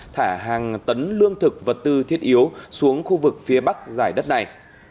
thả hàng tấn lương thực vật tư thiết yếu xuống khu vực phía bắc giải đất này